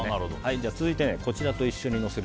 続いてこちらと一緒にのせる